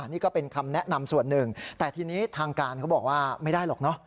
นี่ก็เป็นคำแนะนำส่วนหนึ่งแต่ทีนี้ทางการเขาบอกว่าไม่ได้หรอกเนอะ